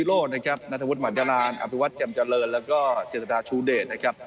ก็ทางทีมฟุตสอร์ไทน์วันนี้ก็อาจจะมันผ่านหายูลสและเดร์นะครับ